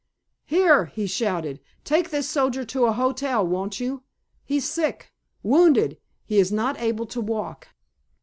"Here," he shouted, "take this soldier to a hotel, won't you? He's sick—wounded—he is not able to walk."